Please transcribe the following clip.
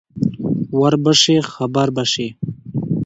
ـ وربشې خبر بشې.